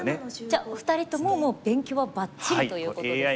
じゃあ２人とももう勉強はばっちりということですね。